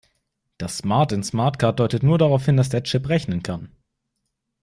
Das "smart" in SmartCard deutet nur darauf hin, dass der Chip rechnen kann.